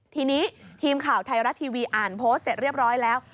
ทีนี้ทีมข่าวไทยรัฐทีวีอ่านโพสต์เสร็จเรียบร้อยแล้ว